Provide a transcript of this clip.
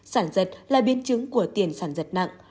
sản giật là biến chứng của tiền sản giật nặng